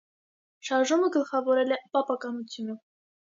Շարժումը գլխավորել է պապականությունը։